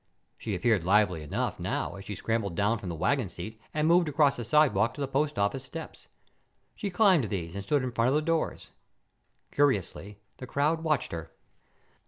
She appeared lively enough now as she scrambled down from the wagon seat and moved across the sidewalk to the post office steps. She climbed these and stood in front of the doors. Curiously, the crowd watched her.